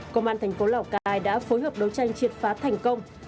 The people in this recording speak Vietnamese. công an thành phố lào cai đã phối hợp đấu tranh triệt phá thành công